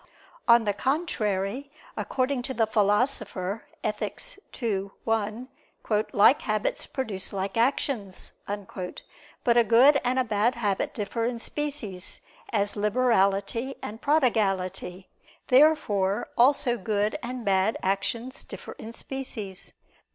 On the contrary, According to the Philosopher (Ethic ii. 1) "like habits produce like actions." But a good and a bad habit differ in species, as liberality and prodigality. Therefore also good and bad actions differ in species.